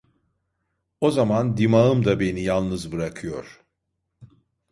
O zaman dimağım da beni yalnız bırakıyor.